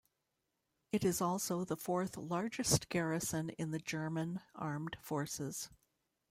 It is also the fourth largest garrison in the German Armed Forces.